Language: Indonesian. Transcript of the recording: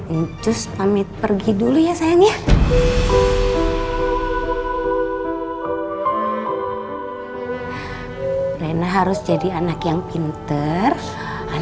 ancus pamit pergi dulu ya sayangnya